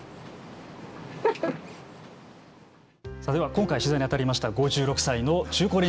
今回、取材に当たりました５６歳の中高年